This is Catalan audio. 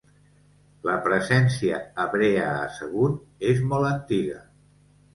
La presència hebrea a Sagunt és molt antiga.